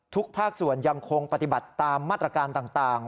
ภาคส่วนยังคงปฏิบัติตามมาตรการต่าง